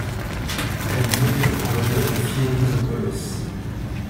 Elle est nommée en l'honneur de Philémon de Colosses.